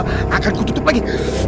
takkan ku tutup lagi